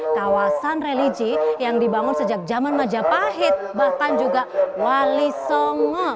kawasan religi yang dibangun sejak zaman majapahit bahkan juga wali songo